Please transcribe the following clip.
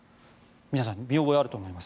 皆さん見覚えがあると思います。